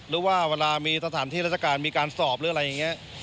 หรือว่าเวลามีสถานที่ราชการมีการสอบหรืออะไรอย่างนี้